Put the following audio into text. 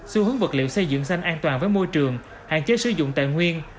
xu hướng vật liệu xây dựng xanh an toàn với môi trường hạn chế sử dụng tài nguyên